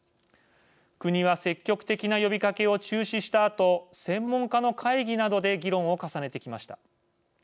国は積極的な呼びかけを中止したあと専門家の会議などで議論を重ねてきました。